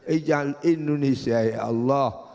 ija'al indonesia ya allah